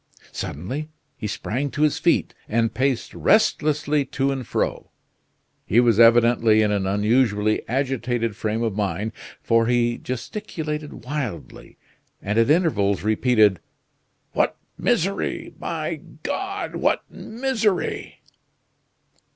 Suddenly he sprang to his feet and paced restlessly to and fro. He was evidently in an unusually agitated frame of mind: for he gesticulated wildly, and at intervals repeated: "What misery! My God! what misery!"